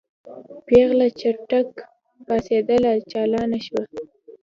پېغله چټک پاڅېدله چالانه شوه.